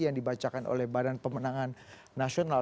yang dibacakan oleh badan pemenangan nasional